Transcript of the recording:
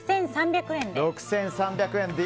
６３００円で。